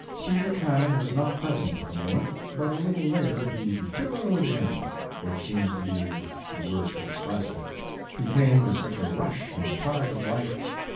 Speaker Cannon was not present at the moment; but a little later he "billowed" in which seems to be the word to express it he came with such a rush and tide of life.